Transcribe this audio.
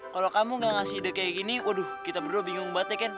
kalau kamu nggak ngasih ide kayak gini waduh kita berdua bingung banget ya ken